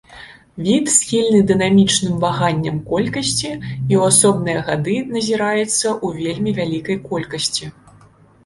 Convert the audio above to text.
Від схільны дынамічным ваганняў колькасці і ў асобныя гады назіраецца ў вельмі вялікай колькасці.